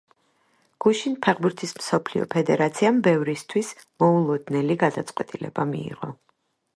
გუშინ ფეხბურთის მსოფლიო ფედერაციამ ბევრისთვის მოულოდნელი გადაწყვეტილება მიიღო.